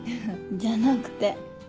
じゃなくて。